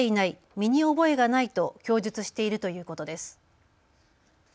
身に覚えがないと供述しているということです。